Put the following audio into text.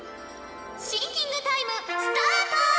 シンキングタイムスタート！